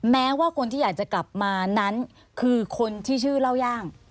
แม้ว่าคนที่อยากจะกลับมานั้นคือคนที่ชื่อเล่าย่าง